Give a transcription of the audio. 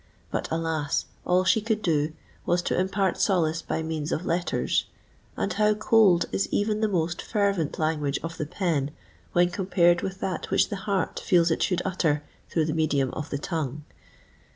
But, alas! all she could do was to impart solace by means of letters; and how cold is even the most fervent language of the pen when compared with that which the heart feels it should utter through the medium of the tongue!